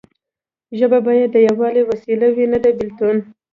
ژبه باید د یووالي وسیله وي نه د بیلتون.